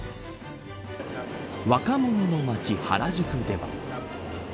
若者の街、原宿では。